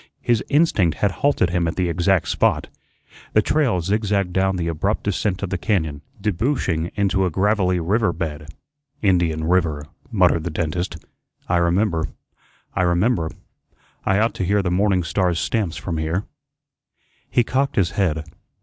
His instinct had halted him at the exact spot. The trail zigzagged down the abrupt descent of the cañón, debouching into a gravelly river bed. "Indian River," muttered the dentist. "I remember I remember. I ought to hear the Morning Star's stamps from here." He cocked his head.